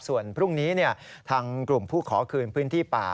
ส่วนพรุ่งนี้ทางกลุ่มผู้ขอคืนพื้นที่ป่า